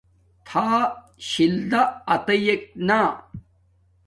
تھا ۔شل دا اتییک نا